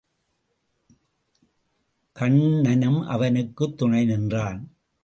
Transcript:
கன்னனும் அவனுக்குத் துணை நின்றான்.